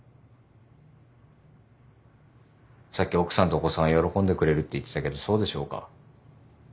さっき奥さんとお子さんが喜んでくれるって言ってたけどそうでしょうか？